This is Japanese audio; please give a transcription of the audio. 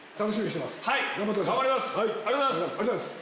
ありがとうございます！